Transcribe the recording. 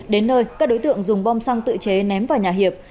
đến nơi các đối tượng dùng bom xăng tự chế ném vào nhà hiệp